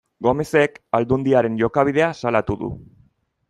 Gomezek Aldundiaren jokabidea salatu du.